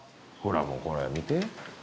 ほらもうこれ見て。